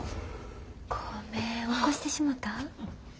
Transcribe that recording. ごめん起こしてしもた？